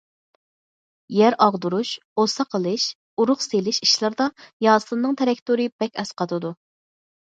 يەر ئاغدۇرۇش، ئوسا قىلىش، ئۇرۇق سېلىش ئىشلىرىدا ياسىننىڭ تىراكتورى بەك ئەسقاتىدۇ.